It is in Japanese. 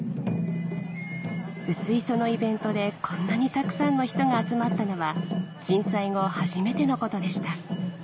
薄磯のイベントでこんなにたくさんの人が集まったのは震災後初めてのことでした